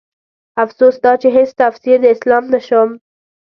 افسوس دا چې هيڅ تفسير د اسلام نه شوم